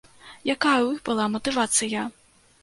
Якая ў іх была матывацыя?